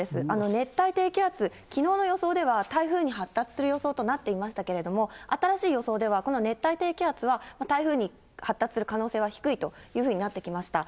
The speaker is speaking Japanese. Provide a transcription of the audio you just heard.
熱帯低気圧、きのうの予想では台風に発達する予想となっていましたけれども、新しい予想では、この熱帯低気圧は台風に発達する可能性は低いというふうになってきました。